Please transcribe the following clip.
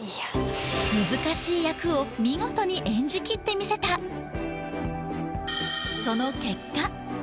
難しい役を見事に演じきってみせたああ